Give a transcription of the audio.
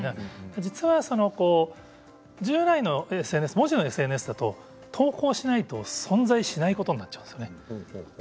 実は従来のＳＮＳ文字のＳＮＳだと投稿しないと存在しないことになっちゃうんですよね。